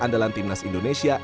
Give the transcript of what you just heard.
andalan timnas indonesia